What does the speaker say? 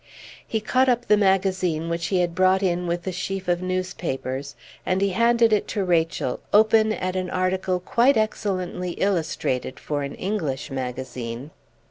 He caught up the magazine which he had brought in with the sheaf of newspapers, and he handed it to Rachel, open at an article quite excellently illustrated for an English magazine.